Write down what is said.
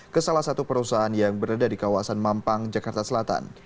ke salah satu perusahaan yang berada di kawasan mampang jakarta selatan